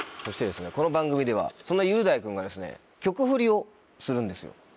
そしてこの番組ではそんな雄大君がですね曲フリをするんですよ。